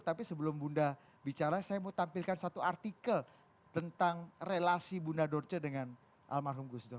tapi sebelum bunda bicara saya mau tampilkan satu artikel tentang relasi bunda dorce dengan almarhum gus dur